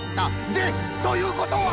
でということは！？